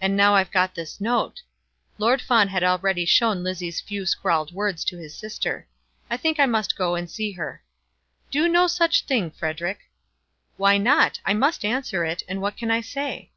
"And now I've got this note." Lord Fawn had already shown Lizzie's few scrawled words to his sister. "I think I must go and see her." "Do no such thing, Frederic." "Why not? I must answer it, and what can I say?"